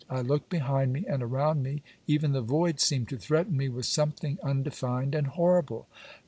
I looked behind me and around me even the void seemed to threaten me with something undefined and horrible.